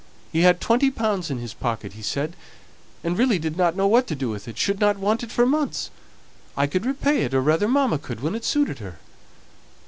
He had twenty pounds in his pocket, he said, and really didn't know what to do with it, shouldn't want it for months; I could repay it, or rather mamma could, when it suited her.